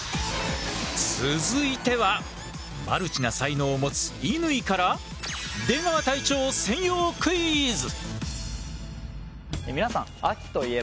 続いてはマルチな才能を持つ乾から出川隊長専用クイズ！